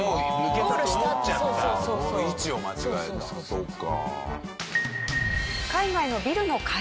そっか。